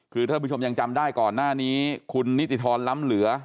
คุณบางคนยังจำได้ก่อนหน้านี้คุณนิตถรล้ำเหลือ